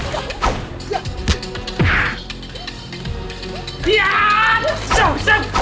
hanya dia yang bisa membantuku